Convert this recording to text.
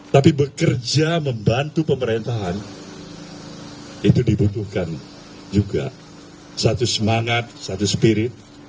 tapi bekerja membantu pemerintahan itu dibutuhkan juga satu semangat satu spirit